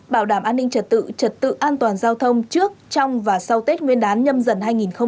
bảo đảm an ninh trật tự trật tự an toàn giao thông trước trong và sau tết nguyên đán nhâm dần hai nghìn hai mươi